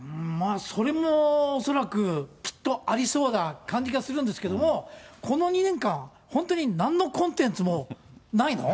それも恐らくきっとありそうな感じがするんですけれども、この２年間、本当になんのコンテンツもないの？